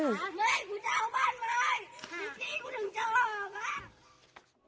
เฮ้ยคุณเจ้าบ้านมาเลยตรงนี้คุณถึงจะออก